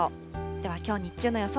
ではきょう日中の予想